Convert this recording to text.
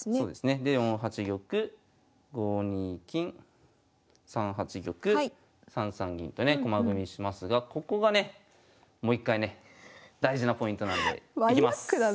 で４八玉５二金３八玉３三銀とね駒組みしますがここがねもう一回ね大事なポイントなんでいきます！